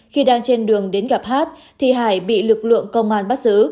khi đang trên đường đến gặp hát thì hải bị lực lượng công an